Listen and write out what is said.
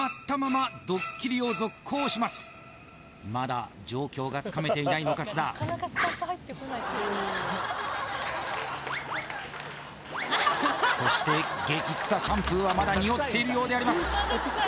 まだ状況がつかめていないのか津田そしてゲキ臭シャンプーはまだにおっているようであります